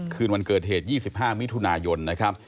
คืนวันเกิดเหตุ๒๕มิถุนายนนะครับ